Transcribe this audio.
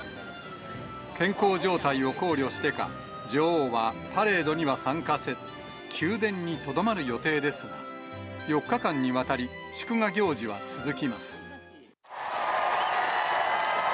健康状態を考慮してか、女王はパレードには参加せず、宮殿にとどまる予定ですが、４日間にわたり、祝賀行事は続きます。